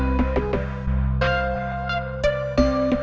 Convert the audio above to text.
ya baik bu